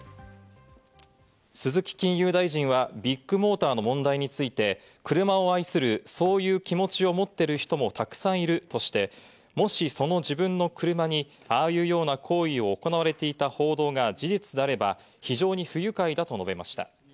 鈴木金融大臣はビッグモーターの問題について、車を愛する、そういう気持ちを持ってる人もたくさんいるとして、もしその自分の車にああいうような行為を行われていた報道が事実であれば、非常に不愉快だと述べました。